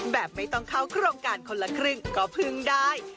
แบบไม่ต้องเข้าโครงการคนละครึ่งก็พึ่งได้